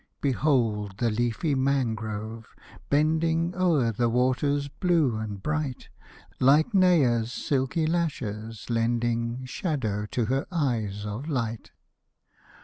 ' Behold the leafy mangrove, bending O^er the waters blue and bright, Like Nea's silky lashes, lending Shadow to her eyes of light.